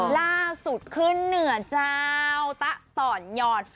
ล่าสุดขึ้นเหนือเจ้าตะต่อนหยอด